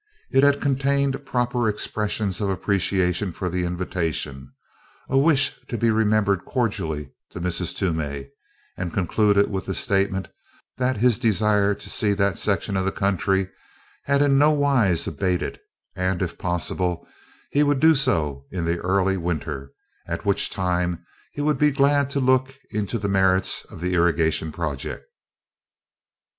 It had contained proper expressions of appreciation for the invitation, a wish to be remembered cordially to Mrs. Toomey, and concluded with the statement that his desire to see that section of the country had in no wise abated and, if possible, he would do so in the early winter, at which time he would be glad to look into the merits of the irrigation project.